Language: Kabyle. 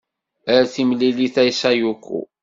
Ar timlilit a Sayoko.